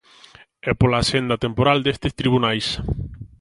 E pola axenda temporal destes Tribunais.